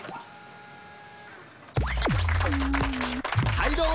はいども！